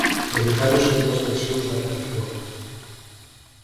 Editáronse dúas versións da canción.